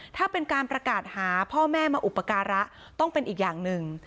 ถ้าเป็นการประกาศหาพ่อแม่มาอุปการะต้องเป็นอีกอย่างหนึ่ง